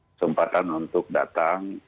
kesempatan untuk datang